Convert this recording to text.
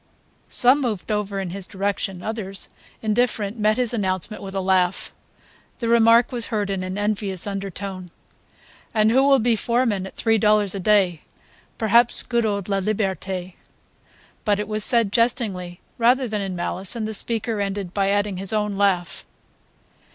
Some moved over in his direction; others, indifferent, met his announcement with a laugh. The remark was heard in an envious undertone: "And who will be foreman at three dollars a day? Perhaps good old Laliberte ..." But it was said jestingly rather than in malice, and the speaker ended by adding his own laugh.